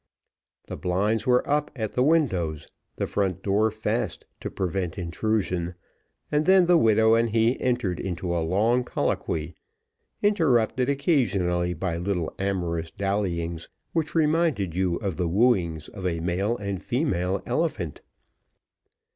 The blinds were up at the windows, the front door fast to prevent intrusion, and then the widow and he entered into a long colloquy, interrupted occasionally by little amorous dallyings, which reminded you of the wooings of a male and female elephant.